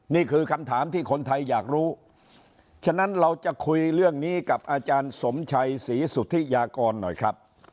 นี่คือคำถามที่คนไทยอยากรู้ฉะนั้นเราจะคุยเรื่องนี้กับอาจารย์สมชัยศรีสุธิยากรหน่อยครับ